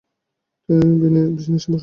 তিনি সত্যই ভিনিসিয়ান বংশোদ্ভূত।